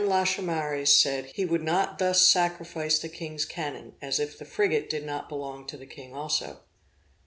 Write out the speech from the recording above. Lachaumareys said, he would not thus sacrifice the king's cannon, as if the frigate did not belong to the king also.